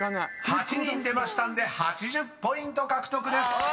［８人出ましたんで８０ポイント獲得です］